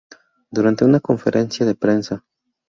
Durante una conferencia de prensa.